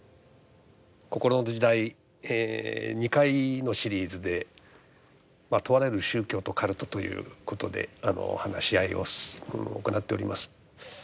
「こころの時代」２回のシリーズで「問われる宗教とカルト」ということで話し合いを行っております。